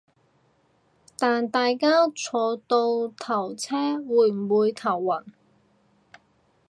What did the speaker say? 但大家坐倒頭車會唔會頭暈